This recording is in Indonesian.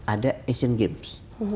ada asian games